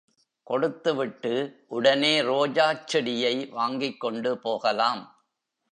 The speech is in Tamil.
கொடுத்து விட்டு, உடனே ரோஜாச் செடியை வாங்கிக்கொண்டு போகலாம்.